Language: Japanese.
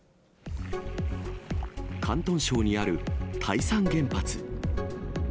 広東省にある台山原発。